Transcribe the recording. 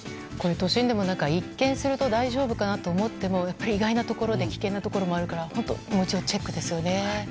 都心でも一見すると大丈夫かなと思っても、意外なところで危険なところもあるからチェックですね。